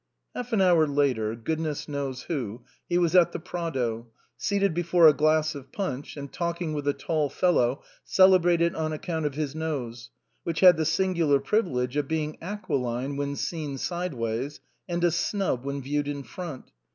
Half an hour later, goodness knows how, he was at the Prado, seated before a glass of punch and talking with a tall fellow celebrated on account of his nose, which had the sin gular privilege of being aquiline when seen sideways, and a snub when viewed in front.